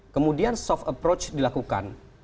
kemudian soft approach dilakukan